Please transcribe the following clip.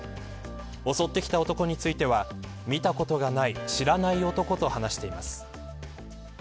襲ってきた男については見たことがない知らない男と話しています。